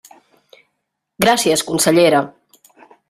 Gràcies, consellera.